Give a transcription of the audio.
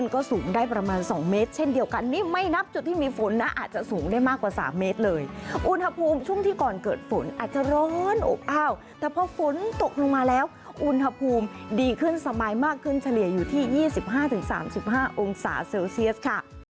ก็สูงได้ประมาณ๒เมตรเช่นเดียวกันนี่ไม่นับจุดที่มีฝนนะอาจจะสูงได้มากกว่า๓เมตรเลยอุณหภูมิช่วงที่ก่อนเกิดฝนอาจจะร้อนอบอ้าวแต่พอฝนตกลงมาแล้วอุณหภูมิดีขึ้นสบายมากขึ้นเฉลี่ยอยู่ที่๒๕๓๕องศาเซลเซียสค่ะ